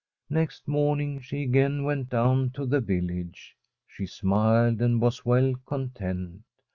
Next morning she again went down to the village. She smiled, and was well content.